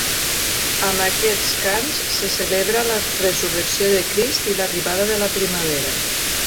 Amb aquests cants se celebra la resurrecció de Crist i l'arribada de la primavera.